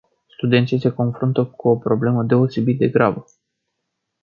Studenții se confruntă cu o problemă deosebit de gravă.